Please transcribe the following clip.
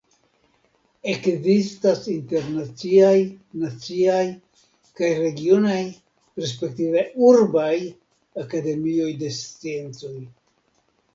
Ekzistas internaciaj, naciaj kaj regionaj respektive urbaj Akademioj de Sciencoj.